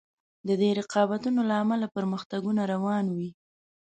د دې رقابتونو له امله پرمختګونه روان وي.